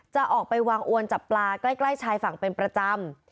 จะออกไปวางอวนจับปลาใกล้ชายฝั่งเป็นประจำ